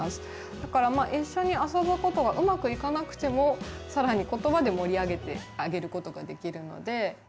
だからまあ一緒に遊ぶことがうまくいかなくても更に言葉で盛り上げてあげることができるので。